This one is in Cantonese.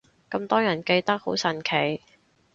咁多人記得，好神奇